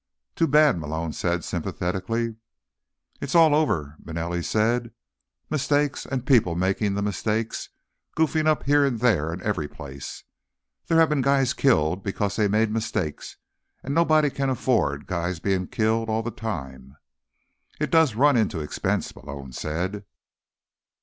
"Too bad," Malone said sympathetically. "It's all over," Manelli said. "Mistakes and people making the mistakes, goofing up here and there and everyplace. There have been guys killed because they made mistakes, and nobody can afford guys being killed all the time." "It does run into expense," Malone said.